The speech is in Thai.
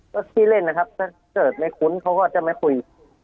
ก็ขี้เล่นนะครับถ้าเกิดไม่คุ้นเขาก็จะไม่คุย